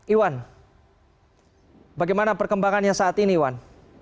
iwan bagaimana perkembangannya saat ini iwan